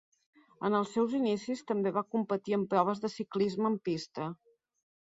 En els seus inicis també va competir en proves de ciclisme en pista.